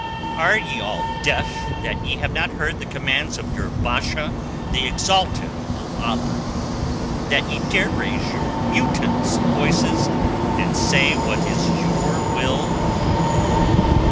Are ye all deaf that ye have not heard the commands of your Basha, the exalted of Allah, that ye dare raise your mutinous voices and say what is your will?"